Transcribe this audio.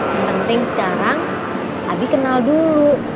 yang penting sekarang abi kenal dulu